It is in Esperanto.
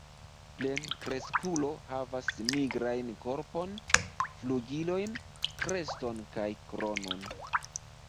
Plenkreskulo havas nigrajn korpon, flugilojn, kreston kaj kronon.